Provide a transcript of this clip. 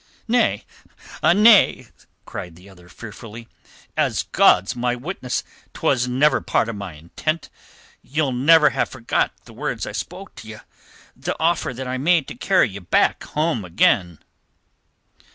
"Nay, nay," cried the other fearfully, "as God's my witness, 'twas never part of my intent. Ye'll never ha' forgot the words I spoke to you, the offer that I made to carry you back home again."